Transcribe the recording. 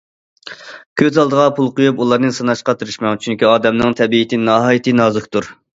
كۆز ئالدىغا پۇل قويۇپ، ئۇلارنى سىناشقا تىرىشماڭ، چۈنكى ئادەمنىڭ تەبىئىتى ناھايىتى نازۇكتۇر.